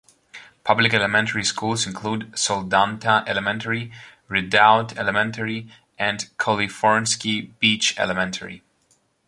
Public elementary schools include Soldotna Elementary, Redoubt Elementary, and Kalifornsky Beach Elementary.